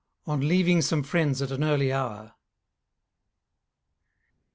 _On leaving some Friends at an early Hour.